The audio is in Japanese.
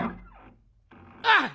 あっ！